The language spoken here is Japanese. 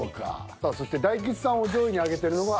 さあそして大吉さんを上位に挙げてるのが。